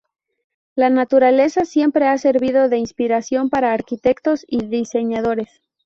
La naturaleza siempre ha servido de inspiración para arquitectos y diseñadores.